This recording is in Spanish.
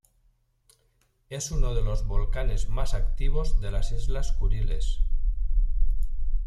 Es uno de los volcanes más activos de las islas Kuriles.